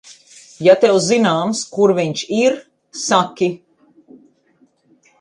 Ja tev zināms, kur viņš ir, saki.